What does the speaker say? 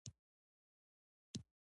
لرګی د طبیعي موادو له ډلې دی.